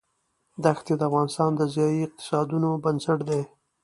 دښتې د افغانستان د ځایي اقتصادونو بنسټ دی.